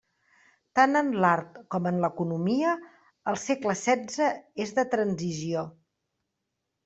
Tant en l'art com en l'economia, el segle setze és de transició.